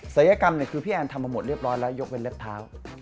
ัยกรรมคือพี่แอนทำมาหมดเรียบร้อยแล้วยกเป็นเล็บเท้า